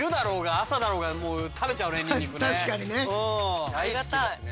うん大好きですね。